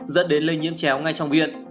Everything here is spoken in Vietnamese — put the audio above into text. dẫn đến lây nhiễm chéo ngay trong viện